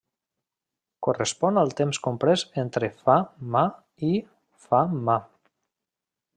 Correspon al temps comprès entre fa Ma i fa Ma.